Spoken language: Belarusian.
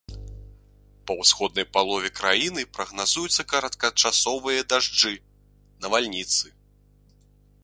Па ўсходняй палове краіны прагназуюцца кароткачасовыя дажджы, навальніцы.